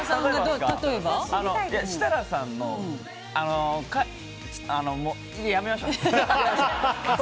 設楽さんのいややめましょう。